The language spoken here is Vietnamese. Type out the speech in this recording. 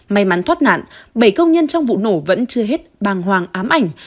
may mắn thoát nạn bảy công nhân trong vụ nổ vẫn chưa hết bàng hoàng ám ảnh